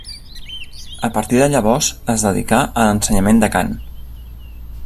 A partir de llavors es dedicà a l'ensenyament de cant.